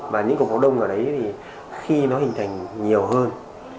và những cục máu đông ở đấy thì khi nó hình thành nhiều hơn